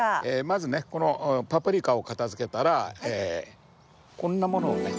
まずねこのパプリカを片づけたらこんなものをね。